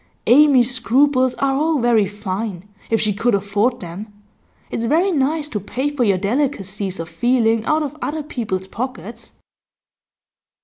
Amy's scruples are all very fine, if she could afford them; it's very nice to pay for your delicacies of feeling out of other people's pockets.